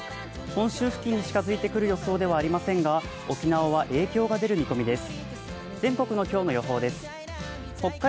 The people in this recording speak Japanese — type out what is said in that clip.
本州付近に近づいてくる予想ではありませんが沖縄は影響が出る見込みです。